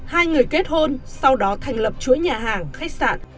hai người kết hôn sau đó thành lập chuỗi nhà hàng khách sạn